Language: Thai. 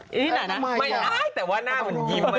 หรือนั่นไม่ต้องแต่ว่าหน้ามันยิ้ม